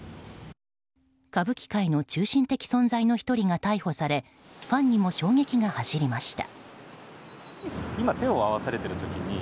歌舞伎界の中心的存在の１人が逮捕されファンにも衝撃が走りました。